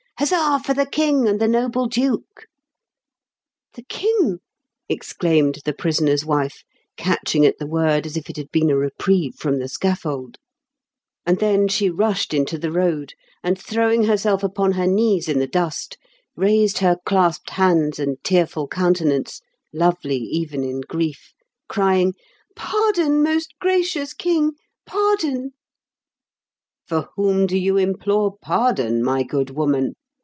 " Huzza for the King and the noble Duke !" "The King!" exclaimed the prisoner's wife, catching at the word as if it had been a reprieve from the scaflfold ; and then she rushed into the road, and throwing herself upon her knees in the dust, raised her clasped hands and tearful countenance, lovely even in grief, crying :" Pardon, most graxiious King !— ^pardon !" For whom do you implore pardon, my good woman